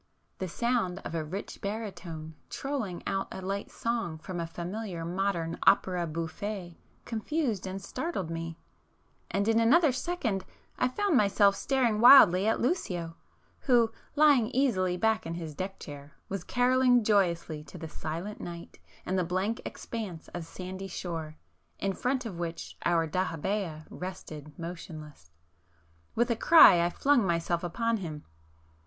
the sound of a rich baritone trolling out a light song from a familiar modern opera bouffe confused and startled me,——and in another second I found myself staring wildly at Lucio, who, lying easily back in his deck chair, was carolling joyously to the [p 449] silent night and the blank expanse of sandy shore, in front of which our dahabeah rested motionless. With a cry I flung myself upon him.